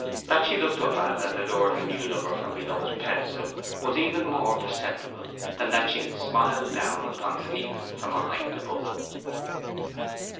That she looked up at and adored her new lover from below his pedestal, was even more perceptible than that she had smiled down upon Stephen from a height above him.